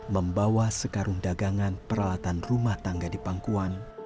membawa sekarung dagangan peralatan rumah tangga di pangkuan